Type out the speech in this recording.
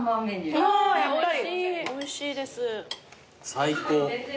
最高。